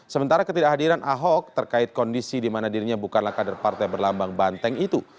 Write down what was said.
sementara ketidakhadiran ahok terkait kondisi di mana dirinya bukanlah kader partai berlambang banteng itu